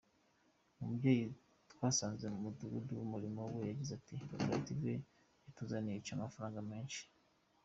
Umubyeyi twasanze mu Mudugudu w’Umurimo we yagize ati “Koperative batuzaniye ica amafaranga menshi.